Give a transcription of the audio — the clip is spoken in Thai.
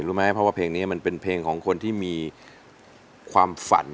รู้ไหมเพราะว่าเพลงนี้มันเป็นเพลงของคนที่มีความฝัน